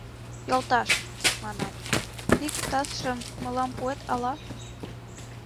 — Йолташ, — манам, — ик тазшым мылам пуэт ала?